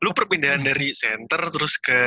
lu perpindahan dari center terus ke